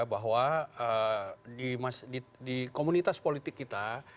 bahwa di komunitas politik kita